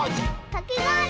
かきごおり！